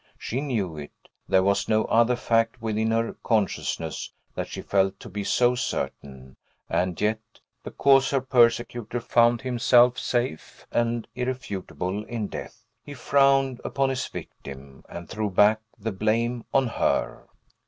She knew it; there was no other fact within her consciousness that she felt to be so certain; and yet, because her persecutor found himself safe and irrefutable in death, he frowned upon his victim, and threw back the blame on her!